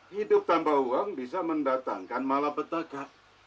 hidup tanpa uang bisa mendatangkan malapetaka